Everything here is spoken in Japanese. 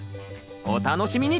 お楽しみに！